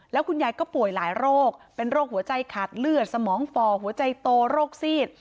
แล้วคุณยายก็ป่วยหลายโรคเป็นโรคหัวใจขาดเลือดสมองฝ่อหัวใจโตโรคซีด